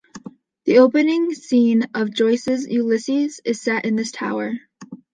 The opening scene of Joyce's "Ulysses" is set in this tower.